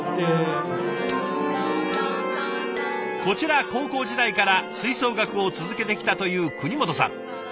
こちら高校時代から吹奏楽を続けてきたという國本さん。